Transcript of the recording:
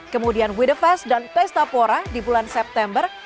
kemudian wedefest dan pesta porno